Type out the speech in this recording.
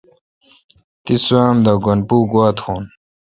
تی سوا اوم د گن پو گوا تھون؟